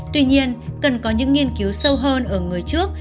tuy nhiên cần có những nghiên cứu sâu hơn ở người trước